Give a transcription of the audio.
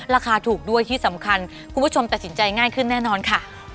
ราคาถูกด้วยที่สำคัญคุณผู้ชมตัดสินใจง่ายขึ้นแน่นอนค่ะ